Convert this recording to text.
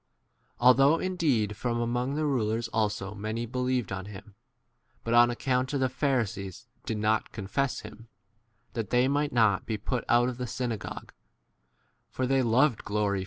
Although indeed from among the rulers also many believed on him, but on ac count of the Pharisees did not confess [him], that they might not 43 be put out of the synagogue ; for they loved glory from men b rather * T.